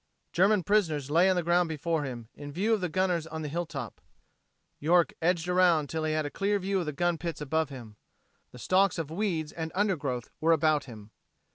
German prisoners lay on the ground before him, in view of the gunners on the hilltop. York edged around until he had a clear view of the gun pits above him. The stalks of weeds and undergrowth were about him.